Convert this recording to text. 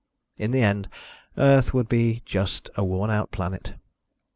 In the end, Earth would be just a worn out planet.